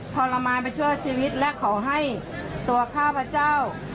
ทรมานไปชั่วชีวิตและขอให้ตัวข้าพเจ้า